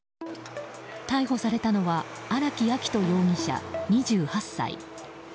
逮捕されたのは荒木秋冬容疑者、２８歳。